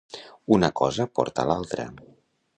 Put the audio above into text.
Una cosa porta l'altra.